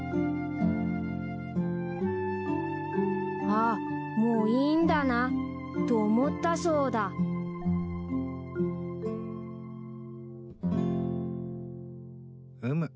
［あっもういいんだなと思ったそうだ］うむ。